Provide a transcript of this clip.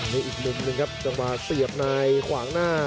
นี่อีกมุมหนึ่งครับจังหวะเสียบในขวางหน้า